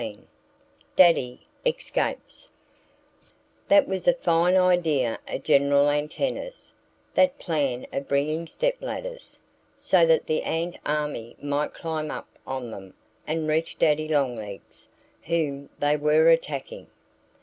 XIX DADDY ESCAPES THAT was a fine idea of General Antenna's that plan of bringing stepladders, so that the ant army might climb up on them and reach Daddy Longlegs, whom they were attacking.